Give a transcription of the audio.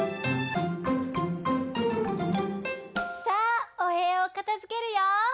さあおへやをかたづけるよ。